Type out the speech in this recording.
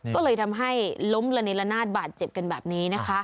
ก็เลยทำให้ล้มละเนละนาดบาดเจ็บกันแบบนี้นะคะ